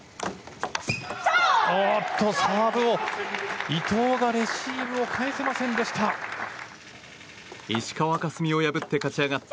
サーブを伊藤がレシーブを返せませんでした。